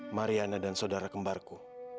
mariana dan saudara kembarku